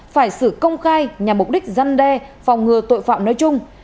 phải xử công khai nhằm mục đích dân đe phòng ngừa tội phạm nói chung